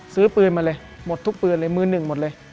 ซื้อปืนมาเลยหมดทุกปืนเลยมือหนึ่งหมดเลย